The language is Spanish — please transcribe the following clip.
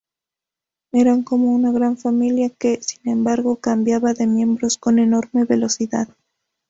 Eran como una gran familia que, sin embargo, cambiaba de miembros con enorme velocidad.